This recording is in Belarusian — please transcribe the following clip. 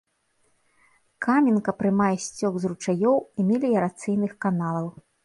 Каменка прымае сцёк з ручаёў і меліярацыйных каналаў.